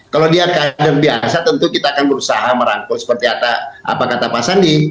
kalau dia kader biasa tentu kita akan berusaha merangkul seperti apa kata pak sandi